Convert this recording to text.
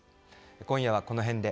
今夜はこのへんで。